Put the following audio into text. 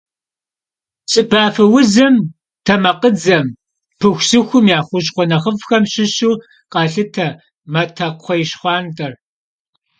Псыбафэузым, тэмакъыдзэм, пыхусыхум я хущхъуэ нэхъыфӏхэм щыщу къалъытэ матэкхъуейщхъуантӏэр.